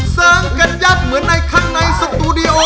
มันมาเลยนี้กลัวแล้วเว้ย